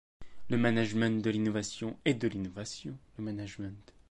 Le management de l'innovation est de l'innovation, le management.